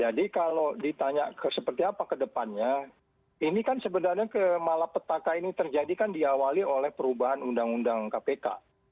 jadi kalau ditanya seperti apa kedepannya ini kan sebenarnya malapetaka ini terjadi kan diawali oleh perubahan undang undang kpk